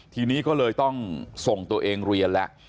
ทีนี้ก็เลยต้องส่งตัวเองเรียนแล้ว